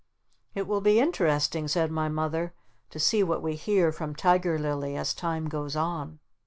"It will be interesting," said my Mother, "to see what we hear from Tiger Lily as Time goes on."